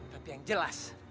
tapi yang jelas